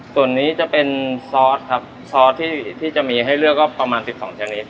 ส่วนนี้จะเป็นซอสครับซอสที่จะมีให้เลือกก็ประมาณ๑๒ชนิด